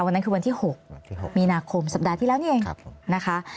วันนั้นคือวันที่๖มีนาคมสัปดาห์ที่แล้วนี่เองนะคะ